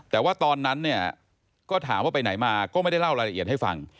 แต่ว่าตอนนั้นเนี่ยก็ถามว่าไปไหนมาก็ไม่ได้เล่ารายละเอียดให้ฟัง